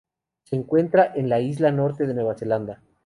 Se encuentra en la Isla Norte de Nueva Zelanda.